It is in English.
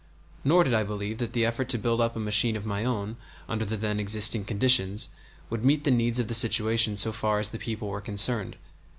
Nor did I believe that the effort to build up a machine of my own under the then existing conditions would meet the needs of the situation so far as the people were concerned.